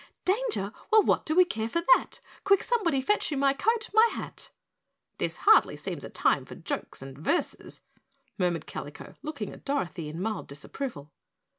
"Danger? Well what do we care for that Quick somebody fetch me my coat my hat " "This hardly seems a time for jokes and verses," murmured Kalico, looking at Dorothy in mild disapproval.